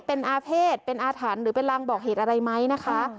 เป็นอาเภษเป็นอาถรรพ์หรือเป็นรางบอกเหตุอะไรไหมนะคะ